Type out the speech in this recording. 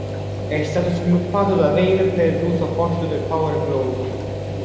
È stato sviluppato da Rare per l'uso apposito del Power Glove.